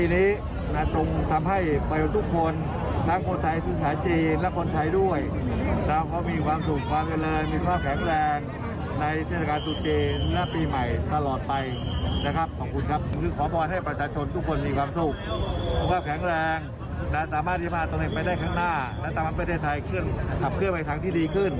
นายกรรมประเทศไทยขึ้นขับเครื่องไว้ทางที่ดีขึ้น